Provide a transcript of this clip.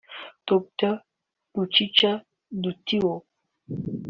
Dr Lucica Ditiu